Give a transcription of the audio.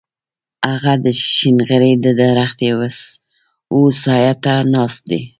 هغه د شينغزي د درختې و سايه ته ناست دی.